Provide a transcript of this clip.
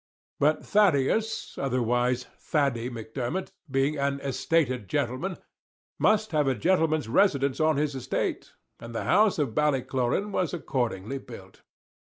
But Thaddeus, otherwise Thady Macdermot, being an estated gentleman, must have a gentleman's residence on his estate, and the house of Ballycloran was accordingly built.